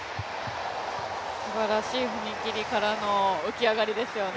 すばらしい踏み切りからの起き上がりですよね。